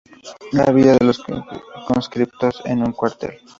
La vida de los conscriptos en un cuartel.